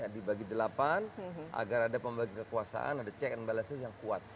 dibagi delapan agar ada pembagi kekuasaan ada check and balances yang kuat